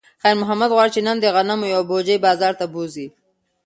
خیر محمد غواړي چې نن د غنمو یوه بوجۍ بازار ته بوځي.